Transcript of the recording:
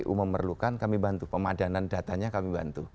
kpu memerlukan kami bantu pemadanan datanya kami bantu